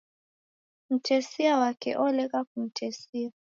Mtesia wake olegha kumtesia.